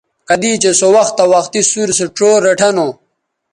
کدی چہء سو وختہ وختی سُور سو ڇو ریٹھہ نو